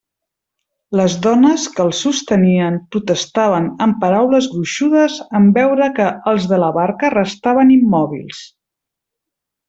Les dones que el sostenien protestaven amb paraules gruixudes en veure que els de la barca restaven immòbils.